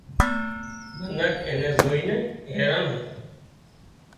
منک اين نين زوئينَ حيران هتان